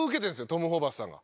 トム・ホーバスさんが。